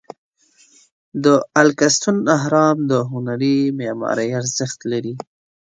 د الکاستون اهرام د هنري معمارۍ ارزښت لري.